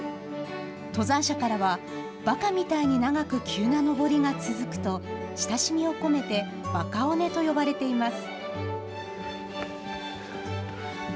登山者からは、ばかみたいに長く急な登りが続くと、親しみを込めて、バカ尾根と呼ばれています。